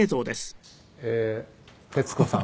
「徹子さん